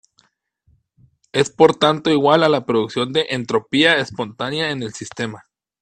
Es por tanto igual a la producción de entropía espontánea en el sistema.